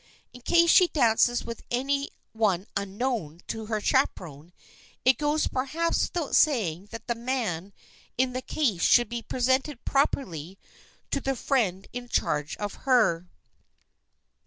In case she dances with any one unknown to her chaperon, it goes perhaps without saying that the man in the case should be presented properly to the friend in charge of her.